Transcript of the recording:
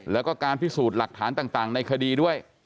แล้วก็การพิสูจน์หลักฐานต่างในคดีด้วย